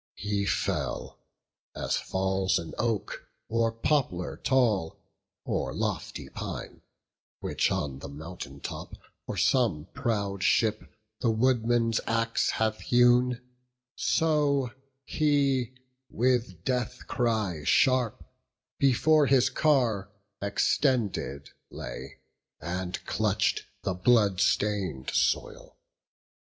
He fell; as falls an oak, or poplar tall, Or lofty pine, which on the mountain top For some proud ship the woodman's axe hath hewn: So he, with death cry sharp, before his car Extended lay, and clutch'd the blood stain'd soil.